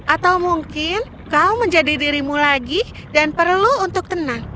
atau mungkin kau menjadi dirimu lagi dan perlu untuk tenang